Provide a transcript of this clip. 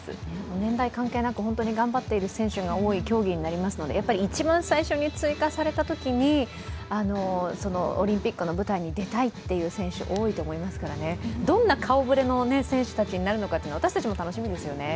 年代関係なく本当に頑張っている選手が多い競技になりますのでやっぱり一番最初に追加されたときに、オリンピックの舞台に出たいっていう選手多いと思いますから、どんな顔ぶれの選手たちになるのか私たちも楽しみですよね。